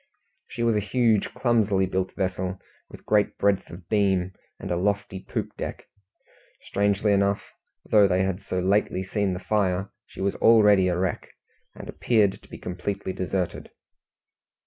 She was a huge, clumsily built vessel, with great breadth of beam, and a lofty poop deck. Strangely enough, though they had so lately seen the fire, she was already a wreck, and appeared to be completely deserted.